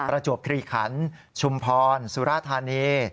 ประจวบคลีขันชุมพรสุราธานี